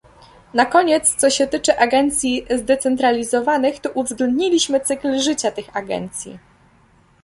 Na koniec, co się tyczy agencji zdecentralizowanych, to uwzględniliśmy cykl życia tych agencji